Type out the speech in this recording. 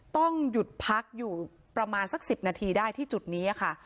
ต้องหยุดพักอยู่ประมาณสัก๑๐นาทีได้ที่จุดนี้ค่ะ